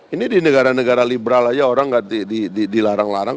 ini di negara negara liberal aja orang nggak dilarang larang